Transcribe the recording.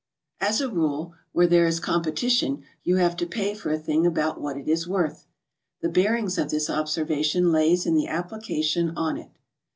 As a rule, where there is competition, you have to pay for a thing about what it is worth. "The bearings of this observation lays in the application on it."